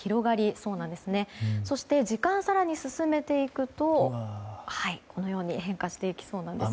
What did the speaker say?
そして、時間を更に進めていくとこのように変化していきそうです。